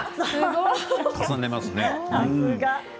重ねますね。